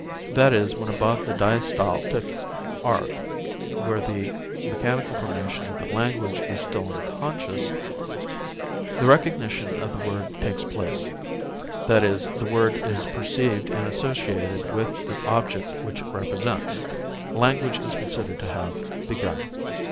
That is, when above the diastaltic arc where the mechanical formation of the language is still unconscious, the recognition of the word takes place, that is, the word is perceived and associated with the object which it represents, language is considered to have begun.